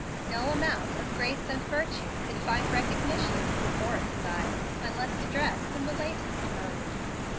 No amount of grace and virtue could find recognition in De Forrest's eyes, unless dressed in the latest mode.